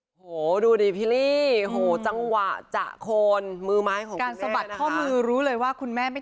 โอ้โหดูดิพิรี่โหจังหวะจะโคนมือไม้ของการสะบัดข้อมือรู้เลยว่าคุณแม่ไม่